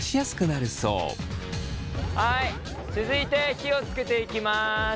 続いて火をつけていきます。